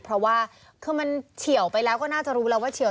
เพราะว่าคือมันเฉียวไปแล้วก็น่าจะรู้แล้วว่าเฉีย